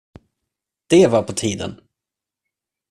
Det var på tiden!